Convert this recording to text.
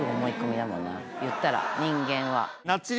いったら人間は。